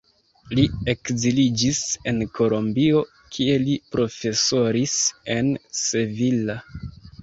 Li ekziliĝis en Kolombio, kie li profesoris en Sevilla.